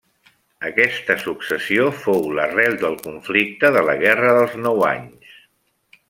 Aquesta successió fou l'arrel del conflicte de la Guerra dels Nou Anys.